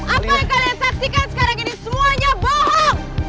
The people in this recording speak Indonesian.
apa yang kalian saksikan sekarang ini semuanya bohong